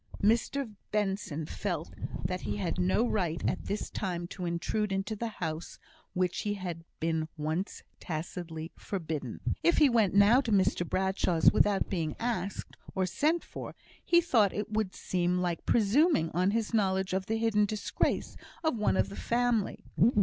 Mr Benson felt that he had no right at this time to intrude into the house which he had been once tacitly forbidden. If he went now to Mr Bradshaw's without being asked, or sent for, he thought it would seem like presuming on his knowledge of the hidden disgrace of one of the family.